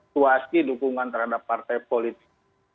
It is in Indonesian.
tuas di dukungan terhadap partai politik